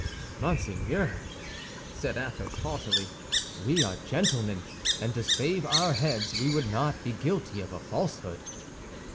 "Monseigneur," said Athos, haughtily, "we are gentlemen, and to save our heads we would not be guilty of a falsehood."